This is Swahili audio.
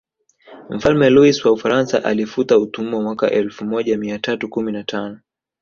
Mfalme Luis wa Ufaransa alifuta utumwa mwaka elfu moja mia tatu kumi na tano